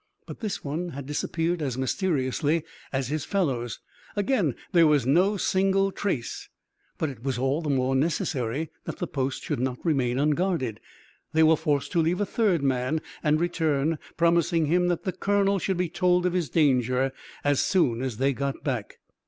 But this one had disappeared as mysteriously as his fellows. Again there was no single trace. But it was all the more necessary that the post should not remain unguarded. They were forced to leave a third man and return, promising him that the colonel should be told of his danger as soon as they got back.